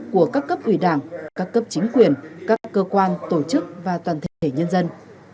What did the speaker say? của các cấp ủy đảng các cấp chính quyền các cơ quan tổ chức và toàn thể nhân dân